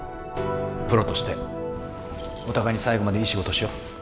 プロとしてお互いに最後までいい仕事をしよう。